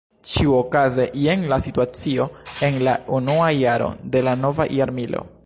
Ĉiuokaze jen la situacio en la unua jaro de la nova jarmilo.